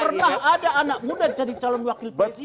pernah ada anak muda jadi calon wakil presiden